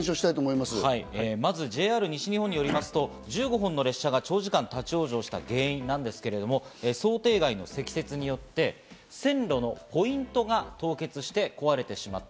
まずＪＲ西日本によりますと１５本の列車が立ち往生した原因ですが、想定外の積雪によって線路のポイントが凍結して壊れてしまった。